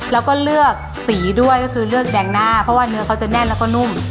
แล้วก็เลือกสีด้วยก็คือเลือกแดงหน้าเพราะว่าเนื้อเขาจะแน่นแล้วก็นุ่ม